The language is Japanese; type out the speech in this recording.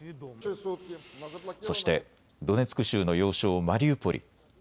そしてドネツク州の要衝マリウポリ。